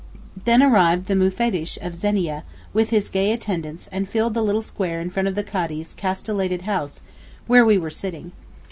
Then arrived the Mufettish of Zenia with his gay attendants and filled the little square in front of the Cadi's castellated house where we were sitting.